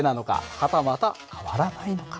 はたまた変わらないのか。